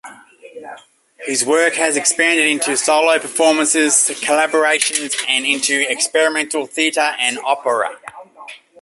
His work has expanded into solo performances, collaborations, and into experimental theatre and opera.